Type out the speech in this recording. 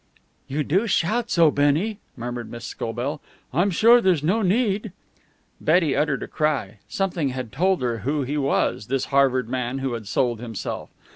"You do shout so, Bennie!" murmured Miss Scobell. "I'm sure there's no need." Betty uttered a cry. Something had told her who he was, this Harvard man who had sold himself.